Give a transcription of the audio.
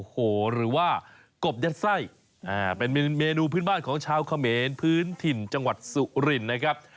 โอ้โหหรือว่ากบยัดไส้เป็นเมนูพื้นบ้านของชาวเขมรพื้นถิ่นจังหวัดสุรินนะครับ